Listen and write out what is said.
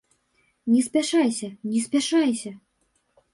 Не спяшайся, не спяшайся!